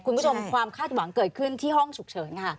คุณผู้ชมความคาดหวังเกิดขึ้นที่ห้องฉุกเฉินค่ะ